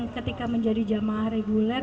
ketika menjadi jamaah reguler